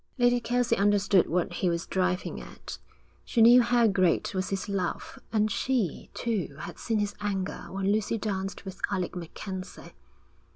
Lady Kelsey understood what he was driving at. She knew how great was his love, and she, too, had seen his anger when Lucy danced with Alec MacKenzie.